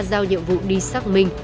giao nhiệm vụ đi xác minh